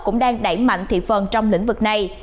cũng đang đẩy mạnh thị phần trong lĩnh vực này